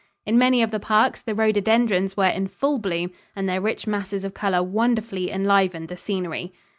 In many of the parks, the rhododendrons were in full bloom, and their rich masses of color wonderfully enlivened the scenery.